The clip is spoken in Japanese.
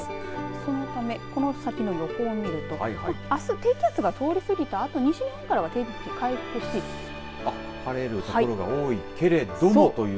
そのためこの先の予報を見るとあす低気圧が通り過ぎたあと西日本からは天気回復し晴れる所が多いけれどもという。